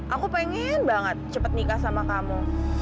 aku pengen banget cepat nikah sama kamu